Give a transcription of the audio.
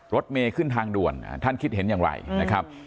รถเมย์ขึ้นทางด่วนท่านคิดเห็นอย่างไรนะครับ